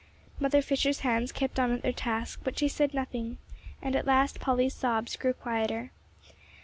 ] Mother Fisher's hands kept on at their task, but she said nothing, and at last Polly's sobs grew quieter.